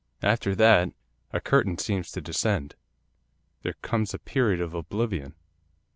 After that, a curtain seems to descend. There comes a period of oblivion.